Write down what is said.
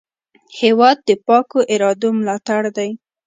هېواد د پاکو ارادو ملاتړ دی.